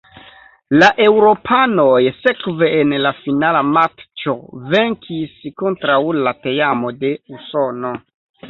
La eŭropanoj sekve en la finala matĉo venkis kontraŭ la teamo de Usono.